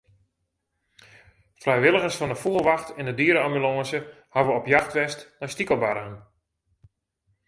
Frijwilligers fan de Fûgelwacht en de diere-ambulânse hawwe op jacht west nei stikelbargen.